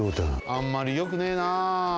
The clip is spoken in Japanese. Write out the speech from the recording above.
あんまりよくねえな。